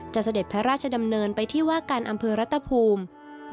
เสด็จพระราชดำเนินไปที่ว่าการอำเภอรัตภูมิ